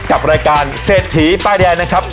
กับรายการเศรษฐีป้ายแดงนะครับ